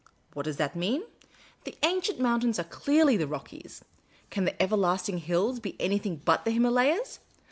What does that mean ? The ancient mountains are clearly the Rockies ; can the everlasting hills be anything but the Himalayas